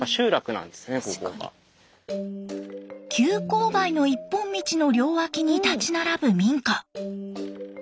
急勾配の一本道の両脇に立ち並ぶ民家。